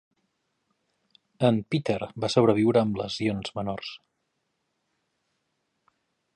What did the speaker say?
En Peter va sobreviure amb lesions menors.